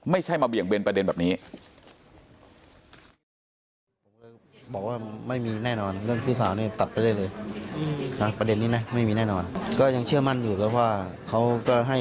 ไม่ใช่มาเบี่ยงเบนประเด็นแบบนี้